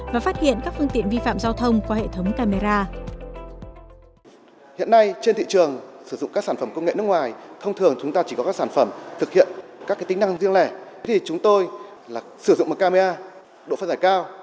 và phát hiện các phương tiện vi phạm giao thông qua hệ thống camera